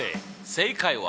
正解は？